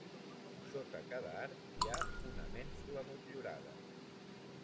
Sota cada arc hi ha una mènsula motllurada.